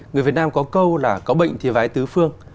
người việt nam có câu là có bệnh thì vái tứ phương